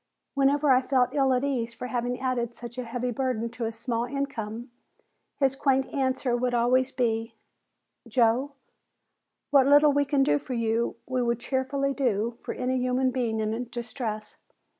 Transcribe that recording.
Whenever I felt ill at ease for having added such a heavy burden to his small income, his quaint answer would always be: "Joe, what little we can do for you we would cheerfully do for any human being in distress.